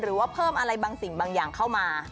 หรือว่าเพิ่มอะไรบางสิ่งบางอย่างเข้ามา